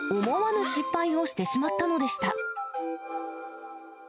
思わぬ失敗をしてしまったのでした。